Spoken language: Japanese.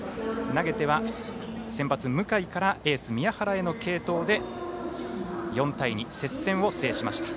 投げては先発、向井からエース宮原への継投で４対２で接戦を制しました。